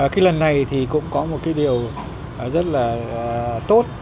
cái lần này thì cũng có một cái điều rất là tốt